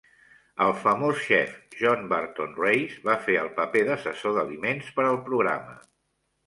El famós xef John Burton-Race va fer el paper d'assessor d'aliments per al programa.